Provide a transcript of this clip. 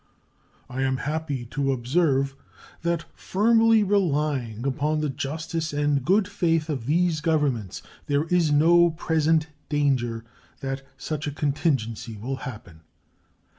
I am happy to observe that, firmly relying upon the justice and good faith of these Governments, there is no present danger that such a contingency will happen.